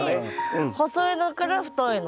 細いのから太いの。